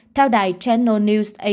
theo đài chen